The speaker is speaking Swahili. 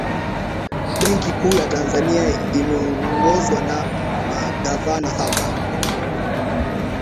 benki kuu ya tanzania imeongozwa na magavana saba